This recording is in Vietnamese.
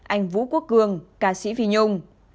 anh vũ quốc cường ca sĩ phi nhung